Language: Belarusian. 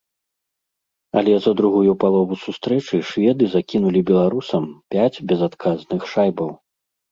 Але за другую палову сустрэчы шведы закінулі беларусам пяць безадказных шайбаў.